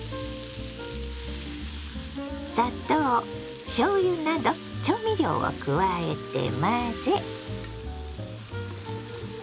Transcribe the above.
砂糖しょうゆなど調味料を加えて混ぜ。